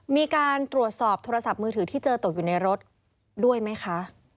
มีการตรวจสอบโทรศัพท์มือถือที่เจอตกอยู่ในรถด้วยไหมคะ